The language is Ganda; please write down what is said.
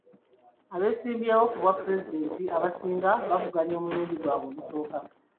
Abeesimbyewo ku bwa pulezidenti abasinga bavuganya omulundi gwabwe ogusooka.